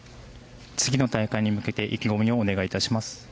次の大会に向けて意気込みをお願いいたします。